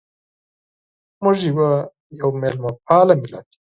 موږ یو مېلمه پال ملت یو.